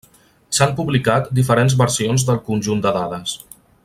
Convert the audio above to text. S'han publicat diferents versions del conjunt de dades.